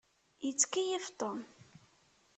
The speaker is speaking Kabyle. Yettkeyyif Tom.